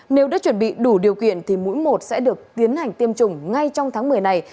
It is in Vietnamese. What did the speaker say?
nếu đã chuẩn bị đủ điều kiện thì mũi một sẽ được tiến hành tiêm chủng ngay trong tháng một mươi này